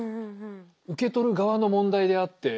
受け取る側の問題であって。